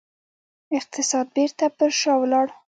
اقتصاد بیرته پر شا لاړ.